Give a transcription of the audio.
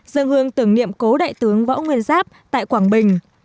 dân hương tưởng niệm cố đại tướng võ nguyên giáp tại quảng bình